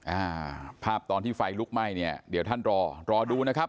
อ่าภาพตอนที่ไฟลุกไหม้เนี่ยเดี๋ยวท่านรอรอดูนะครับ